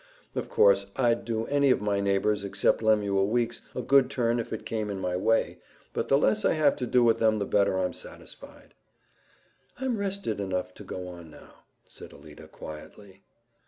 "Of course I'd do any of my neighbors, except Lemuel Weeks, a good turn if it came in my way, but the less I have to do with them the better I'm satisfied." "I'm rested enough to go on now," said Alida quietly.